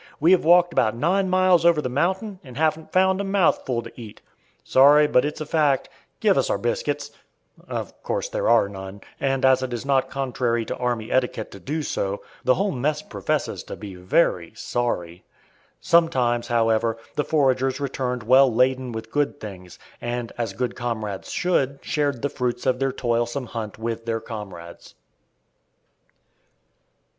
We have walked about nine miles over the mountain, and haven't found a mouthful to eat. Sorry, but it's a fact. Give us our biscuits." Of course there are none, and, as it is not contrary to army etiquette to do so, the whole mess professes to be very sorry. Sometimes, however, the foragers returned well laden with good things, and as good comrades should, shared the fruits of their toilsome hunt with their comrades.